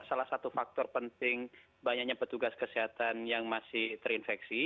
salah satu faktor penting banyaknya petugas kesehatan yang masih terinfeksi